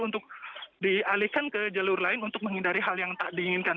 untuk dialihkan ke jalur lain untuk menghindari hal yang tak diinginkan